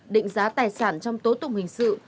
định giá tài sản trong tố tục hình sự